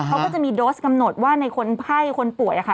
เขาก็จะมีโดสกำหนดว่าในคนไข้คนป่วยค่ะ